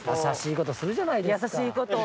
優しいことするじゃないですか。